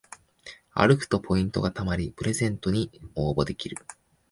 歩くとポイントがたまりプレゼントに応募できる